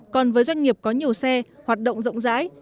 còn với doanh nghiệp có nhiều xe hoạt động rộng rãi